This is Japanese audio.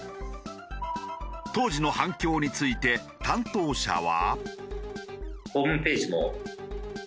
当時の反響について担当者は。